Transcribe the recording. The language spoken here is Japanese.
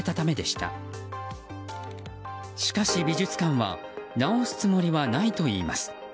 しかし、美術館は直すつもりはないといいます。